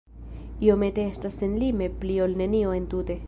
Iomete estas senlime pli ol nenio entute.